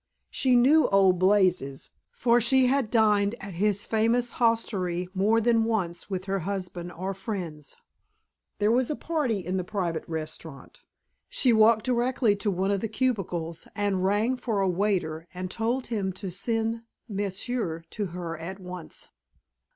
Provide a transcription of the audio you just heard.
She knew "Old Blazes," for she had dined at his famous hostelry more than once with her husband or friends. There was a party in the private restaurant. She walked directly to one of the cubicles and rang for a waiter and told him to send M'sieu to her at once.